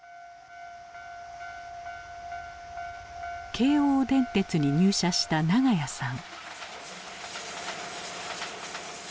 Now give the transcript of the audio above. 京王電鉄に入社した長屋さん。